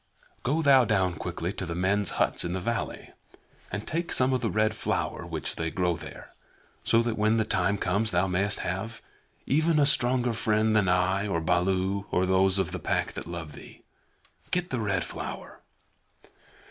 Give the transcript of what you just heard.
"Go thou down quickly to the men's huts in the valley, and take some of the Red Flower which they grow there, so that when the time comes thou mayest have even a stronger friend than I or Baloo or those of the Pack that love thee. Get the Red Flower."